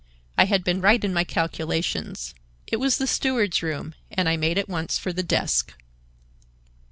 I had been right in my calculations. It was the steward's room, and I made at once for the desk."